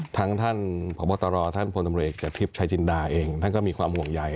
ทั้งท่านพบตรท่านพศจชายจินดาเองท่านก็มีความห่วงใหญ่